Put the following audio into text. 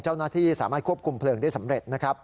เจ้าหน้าที่สามารถควบคุมเพลิงได้สำเร็จนะครับ